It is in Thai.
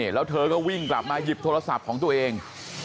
แล้วเธอก็วิ่งกลับมาหยิบโทรศัพท์ของตัวเอง